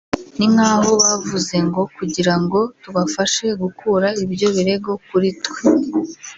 ni nkaho bavuze ngo kugira ngo tubafashe gukura ibyo birego kuri twe